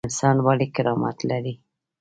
انسان ولې کرامت لري؟